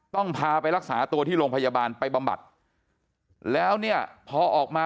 ต้องพาไปรักษาตัวที่โรงพยาบาลไปบำบัดแล้วเนี่ยพอออกมา